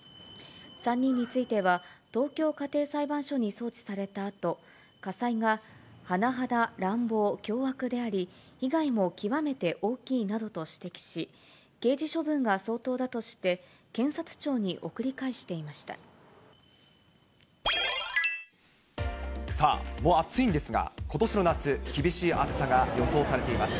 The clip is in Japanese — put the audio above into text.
３人については、東京家庭裁判所に送致されたあと、家裁が、甚だ乱暴・凶悪であり、被害も極めて大きいなどと指摘し、刑事処分が相当だとして、検察庁さあ、もう暑いんですが、ことしの夏、厳しい暑さが予想されています。